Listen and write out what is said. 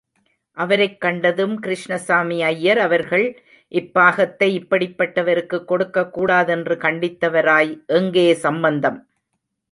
அவரைக் கண்டதும், கிருஷ்ணசாமி ஐயர் அவர்கள் இப் பாகத்தை இப்படிப்பட்ட வருக்குக் கொடுக்கக் கூடாதென்று கண்டித்தவராய் எங்கே சம்பந்தம்?